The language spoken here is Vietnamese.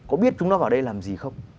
có biết chúng nó vào đây làm gì không